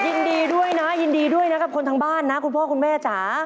ยินดีด้วยนะยินดีด้วยนะครับคนทางบ้านนะคุณพ่อคุณแม่จ๋า